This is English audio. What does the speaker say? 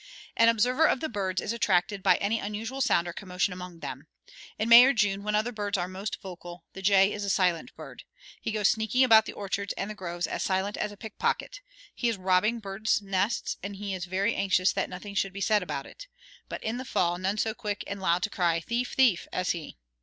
An observer of the birds is attracted by any unusual sound or commotion among them. In May or June, when other birds are most vocal, the jay is a silent bird; he goes sneaking about the orchards and the groves as silent as a pickpocket; he is robbing bird's nests and he is very anxious that nothing should be said about it; but in the fall none so quick and loud to cry "Thief, thief!" as he.